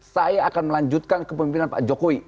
saya akan melanjutkan kepemimpinan pak jokowi